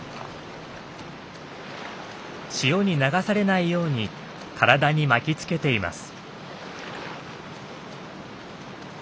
潮に流されないように体に巻きつけています。